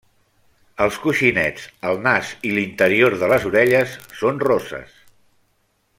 Els coixinets, el nas i l'interior de les orelles són roses.